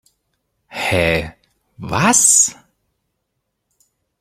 Hä, was?